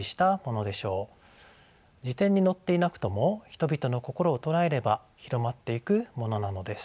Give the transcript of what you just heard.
辞典に載っていなくとも人々の心を捉えれば広まっていくものなのです。